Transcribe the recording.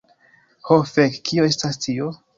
Ho fek, kio estas tio?